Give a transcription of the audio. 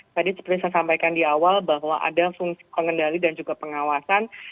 tadi seperti saya sampaikan di awal bahwa ada fungsi pengendali dan juga pengawasan